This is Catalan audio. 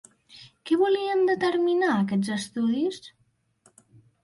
Què volien determinar aquests estudis?